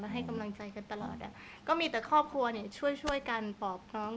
ให้กำลังใจกันตลอดอ่ะก็มีแต่ครอบครัวเนี่ยช่วยช่วยกันปอบน้อง